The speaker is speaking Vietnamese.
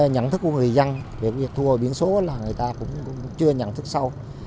nhận thức của người dân việc thua biển số là người ta cũng chưa nhận thức sâu